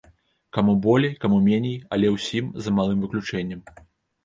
Каму болей, каму меней, але ўсім, за малым выключэннем.